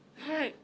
はい。